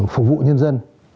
phục vụ nhân dân